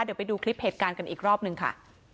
เดี๋ยวไปดูคลิปเหตุการณ์กันอีกรอบนึงค่ะ